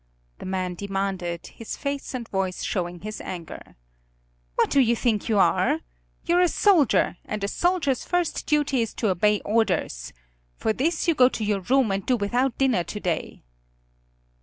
the man demanded, his face and voice showing his anger. "What do you think you are? You're a soldier, and a soldier's first duty is to obey orders. For this you go to your room and do without dinner to day."